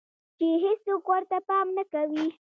چې هيڅوک ورته پام نۀ کوي